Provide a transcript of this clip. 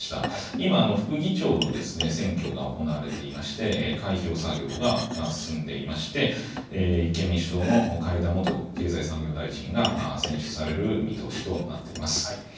今、副議長の選挙が行われていまして、開票作業が進んでいまして、立憲民主党の海江田元経済産業大臣が選出される見通しとなっています。